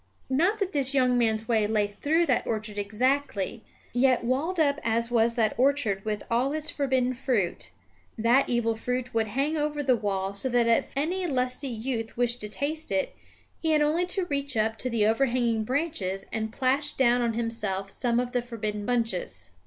Not that this young man's way lay through that orchard exactly; yet, walled up as was that orchard with all its forbidden fruit, that evil fruit would hang over the wall so that if any lusty youth wished to taste it, he had only to reach up to the over hanging branches and plash down on himself some of the forbidden bunches.